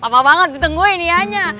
tapa banget benteng gue ini hanya